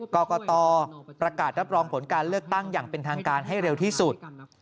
กรกตประกาศรับรองผลการเลือกตั้งอย่างเป็นทางการให้เร็วที่สุด